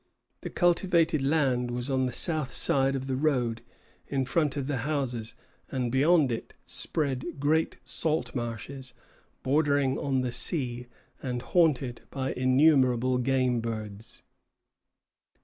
The cultivated land was on the south side of the road; in front of the houses, and beyond it, spread great salt marshes, bordering the sea and haunted by innumerable game birds.